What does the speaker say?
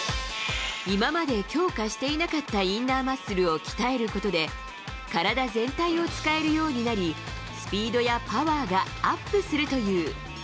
今まで強化していなかったインナーマッスルを鍛えることで、体全体を使えるようになり、スピードやパワーがアップするという。